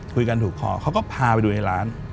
คุยกันถูกคอเขาก็พาไปดูในร้าน